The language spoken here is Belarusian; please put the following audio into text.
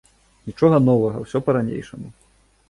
Нічога новага, усё па-ранейшаму.